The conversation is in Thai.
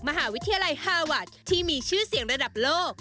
มหาวิทยาลัยฮาวัตที่มีชื่อเสียงระดับโลก